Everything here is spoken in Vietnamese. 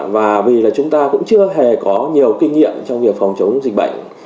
và vì là chúng ta cũng chưa hề có nhiều kinh nghiệm trong việc phòng chống dịch bệnh